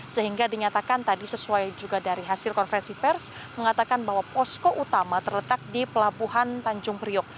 sehingga dinyatakan tadi sesuai juga dari hasil konferensi pers mengatakan bahwa posko utama terletak di pelabuhan tanjung priok